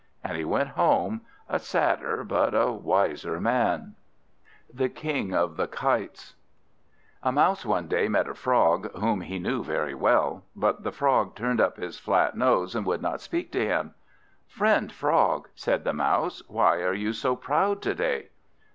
And he went home, a sadder but a wiser man. The King of the Kites A MOUSE one day met a Frog, whom he knew very well; but the Frog turned up his flat nose, and would not speak to him. "Friend Frog," said the Mouse, "why are you so proud to day?"